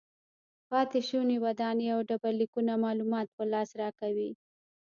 پاتې شوې ودانۍ او ډبرلیکونه معلومات په لاس راکوي.